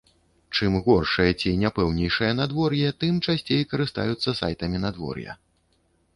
Чым горшае ці няпэўнейшае надвор'е, тым часцей карыстаюцца сайтамі надвор'я.